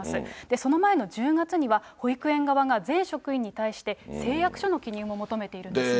その前の１０月には、保育園側が全職員に対して、誓約書の記入を求めているんですね。